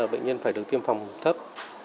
bệnh nhân phải được tiêm phòng thấp